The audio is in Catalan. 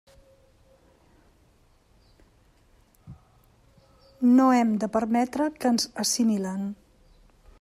No hem de permetre que ens assimilen.